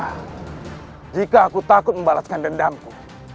nah jika aku takut membalaskan dendamku